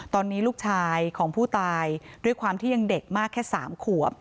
ตอนนี้ลูกชายของผู้ตายด้วยความที่ยังเด็กมากแค่๓ขวบ